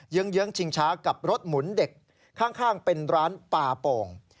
ื้อเยื้องชิงช้ากับรถหมุนเด็กข้างเป็นร้านปลาโป่ง